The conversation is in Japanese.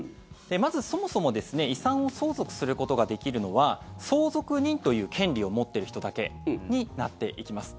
まず、そもそも遺産を相続することができるのは相続人という権利を持っている人だけになっていきます。